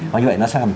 và như vậy nó sẽ làm